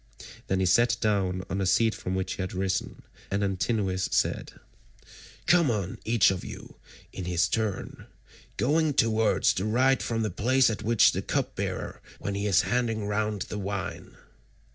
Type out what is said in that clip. Then he sat down on the seat from which he had risen, and Antinous said: "Come on each of you in his turn, going towards the right from the place at which the cupbearer begins when he is handing round the wine."